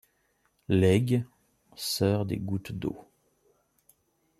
L’aigue, sœur des gouttes d’eau